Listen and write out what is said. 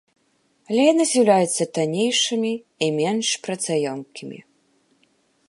Але яны з'яўляліся таннейшымі і менш працаёмкімі.